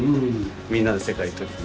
みんなで世界取りに。